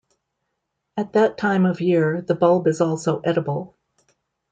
At that time of year, the bulb is also edible.